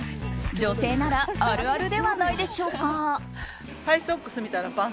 女性ならあるあるではないでしょうか。